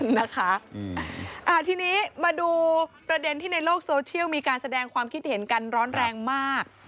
นะคะทีนี้มาดูประเด็นที่ในโลกโซเชียลมีการแสดงความคิดเห็นกันร้อนแรงมาก